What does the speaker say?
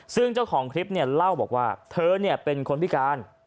ซึ่งเจ้าของคลิปเนี่ยเล่าบอกว่าเธอเป็นคนพิการ